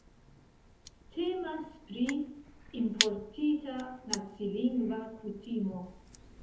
Temas pri importita nacilingva kutimo.